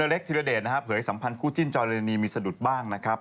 อเล็กทีละเดชนะฮะเผื่อให้สัมพันธ์คู่จิ้นจอยเรนนี่มีสะดุดบ้างนะครับ